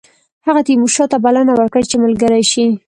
هغه تیمورشاه ته بلنه ورکړه چې ملګری شي.